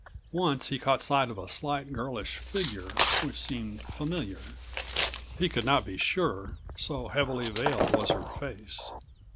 Once he caught sight of a slight girlish figure which seemed familiar. He could not be sure, so heavily veiled was her face.